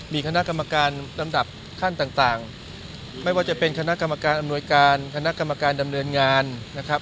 มีคณะกรรมการลำดับขั้นต่างไม่ว่าจะเป็นคณะกรรมการอำนวยการคณะกรรมการดำเนินงานนะครับ